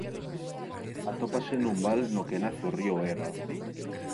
Atópase nun val no que nace o río Ega.